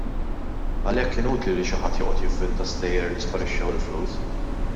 Għalhekk inutli li xi ħadd joqgħod jivvinta stejjer li sparixxew il-flus.